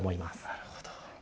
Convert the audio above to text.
なるほど。